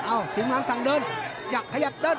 อ้าวถึงร้านสั่งเดินอยากขยับเดิน